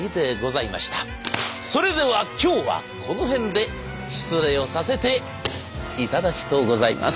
それでは今日はこの辺で失礼をさせていただきとうございます。